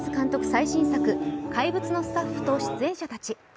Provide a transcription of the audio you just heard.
最新作「怪物」のスタッフと、出演者たち。